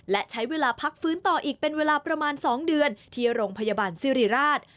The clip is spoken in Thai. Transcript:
และใช้เวลาพักฟื้นต่ออีกเป็นเวลาประมาณ๒เดือนที่โรงพยาบาลสิริราช